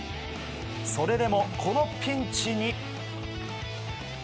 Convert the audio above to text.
それでも、このピンチに。